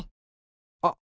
あっ！